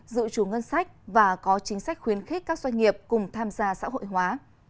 giữ trú ngân sách và có chính sách khuyến khích các doanh nghiệp cùng tham gia xã hội hóa